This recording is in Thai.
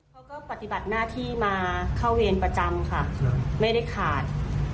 เขาก็ปฏิบัติหน้าที่มาเข้าเวรประจำค่ะไม่ได้ขาด